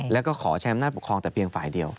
แล้วก็ขอใช้อำนาจปกครองแต่เพียงฝ่ายเดียว